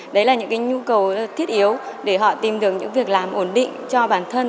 đấy là những cái nhu cầu thiết yếu để họ tìm được những việc làm ổn định cho bản thân